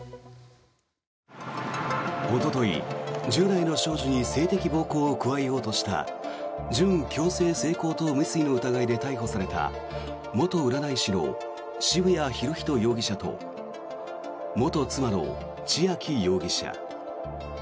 おととい、１０代の少女に性的暴行を加えようとした準強制性交等未遂の疑いで逮捕された元占い師の渋谷博仁容疑者と元妻の千秋容疑者。